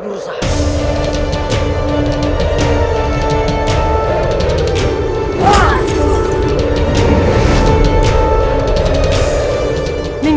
pikir lagi martin